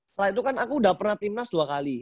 setelah itu kan aku udah pernah timnas dua kali